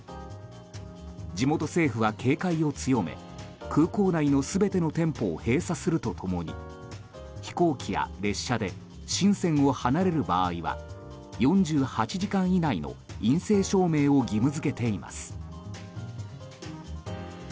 地元政府は警戒を強め空港内の全ての店舗を閉鎖する共に飛行機や列車でシンセンを離れる場合は４８時間以内の陰性証明を義務付けています。